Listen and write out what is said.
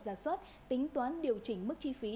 giả soát tính toán điều chỉnh mức chi phí